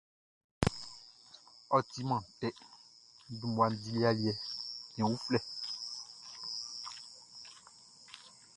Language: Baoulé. Ɔ timan tɛ, n dun mmua dili aliɛ cɛn uflɛ.